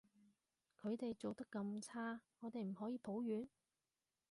佢哋做得咁差，我哋唔可以抱怨？